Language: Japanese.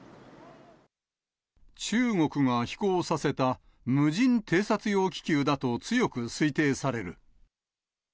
中国が飛行させた、無人偵察用気球だと強く推定される。